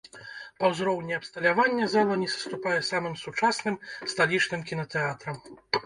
Па ўзроўні абсталявання зала не саступае самым сучасным сталічным кінатэатрам.